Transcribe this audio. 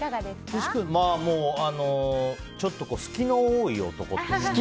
岸君、ちょっと隙の多い男というか。